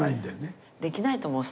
できないと思う。